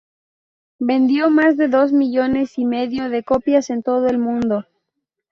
Vendió más de dos millones y medio de copias en todo el mundo.